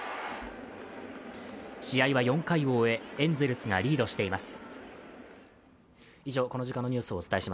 試合は４回を終えエンゼルスがリードしています。